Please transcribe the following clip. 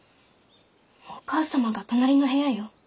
お母様が隣の部屋よ。